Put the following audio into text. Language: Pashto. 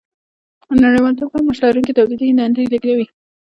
نړیوالتوب کم معاش لرونکي تولیدي دندې لېږدوي